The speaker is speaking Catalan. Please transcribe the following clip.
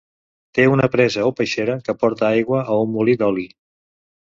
Té una presa o peixera que porta aigua a un molí d'oli.